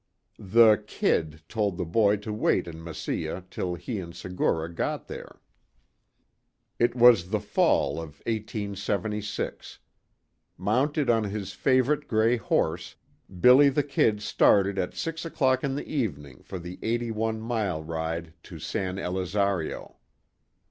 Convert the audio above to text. The "Kid" told the boy to wait in Mesilla till he and Segura got there. It was the fall of 1876. Mounted on his favorite gray horse, "Billy the Kid" started at six o'clock in the evening for the eighty one mile ride to San Elizario.